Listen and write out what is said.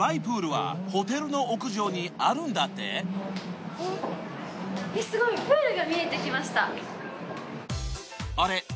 プールはホテルの屋上にあるんだってあれ？